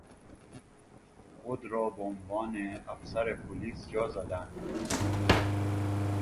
خود را به عنوان افسر پلیس جا زدن